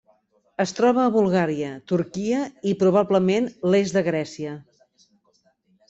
Es troba a Bulgària, Turquia i probablement l'est de Grècia.